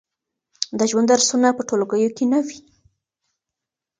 د ژوند درسونه په ټولګیو کې نه وي.